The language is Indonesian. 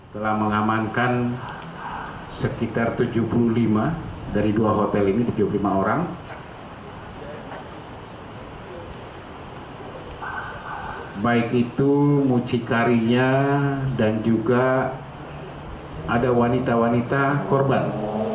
telah mengamankan sekitar tujuh puluh lima dari dua hotel ini tujuh puluh lima orang